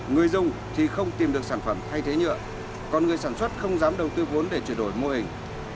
người dùng thì không tìm được sản phẩm thay thế nhựa còn người sản xuất không dám đầu tư vốn để chuyển đổi mô hình